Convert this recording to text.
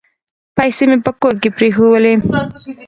پیسې مي په کور کې پرېښولې .